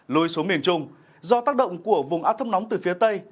lùi xuống miền trung do tác động của vùng át thâm nóng từ phía tây